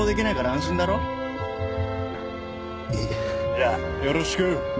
じゃあよろしく！